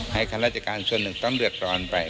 ข้าราชการส่วนหนึ่งต้องเดือดร้อนไป